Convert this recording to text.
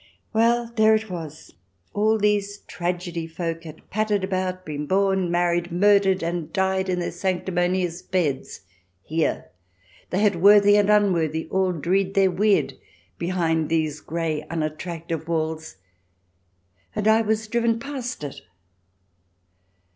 Well, there it was, all these tragedy folk had pattered about, been born, married, murdered, and died in their sanctimonious beds here. They had, worthy and unworthy, all " dreed their weird " behind these grey, unattractive walls. And I was driven past it